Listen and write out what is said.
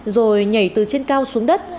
rồi nhảy từ trên cao xuống đất